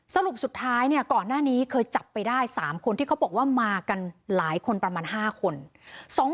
สรุปสุดท้ายเนี่ยก่อนหน้านี้เคยจับไปได้๓คนที่เขาบอกว่ามากันหลายคนประมาณ๕คน